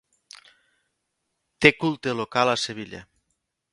Té culte local a Sevilla.